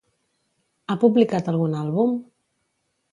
Ha publicat algun àlbum?